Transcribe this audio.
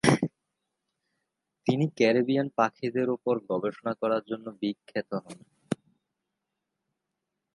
তিনি ক্যারিবিয়ান পাখিদের উপর গবেষণার জন্য বিখ্যাত হন।